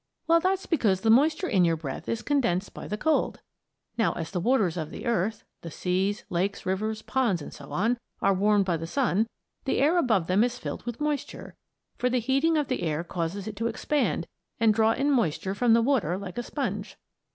Well, that's because the moisture in your breath is condensed by the cold. Now as the waters of the earth the seas, lakes, rivers, ponds, and so on are warmed by the sun, the air above them is filled with moisture, for the heating of the air causes it to expand and draw in moisture from the water like a sponge.